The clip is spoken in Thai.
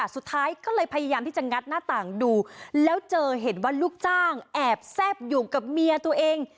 สุดท้ายก็เลยพยายามที่จะงัดหน้าต่างดูแล้วเจอเห็นว่าลูกจ้างแอบแซ่บอยู่กับเมียตัวเอง